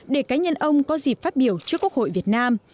để cá nhân ông có dịp phát biểu trước quốc hội việt nam